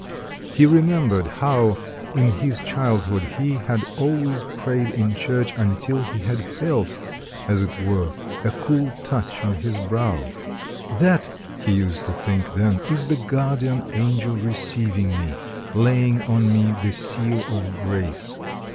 He remembered how, in his childhood, he had always prayed in church until he had felt, as it were, a cool touch on his brow; that, he used to think then, is the guardian angel receiving me, laying on me the seal of grace.